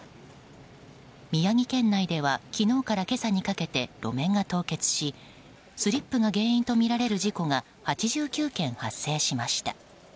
宮城県内では昨日から今朝にかけて路面が凍結しスリップが原因とみられる事故が８９件発生しました。